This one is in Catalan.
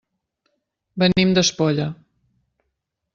Venim d'Espolla.